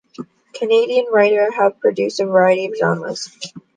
Canadian writers have produced a variety of genres.